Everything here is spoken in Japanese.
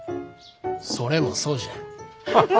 それもそうじゃ。